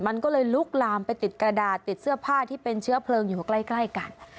มันก็เลยลุกลามไปติดกระดาษติดเสื้อผ้าที่เป็นเชื้อเพลิงอยู่ใกล้กัน